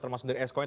termasuk dari eskoin